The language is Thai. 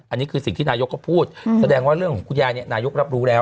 อันนี้คือสิ่งที่นายกก็พูดแสดงว่าเรื่องของคุณยายเนี่ยนายกรับรู้แล้ว